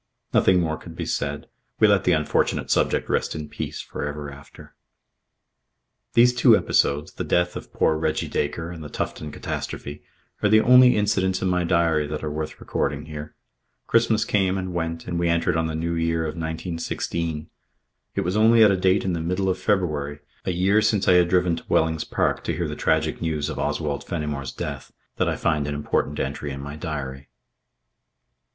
Nothing more could be said. We let the unfortunate subject rest in peace for ever after. These two episodes, the death of poor Reggie Dacre and the Tufton catastrophe, are the only incidents in my diary that are worth recording here. Christmas came and went and we entered on the new year of 1916. It was only at a date in the middle of February, a year since I had driven to Wellings Park to hear the tragic news of Oswald Fenimore's death, that I find an important entry in my diary.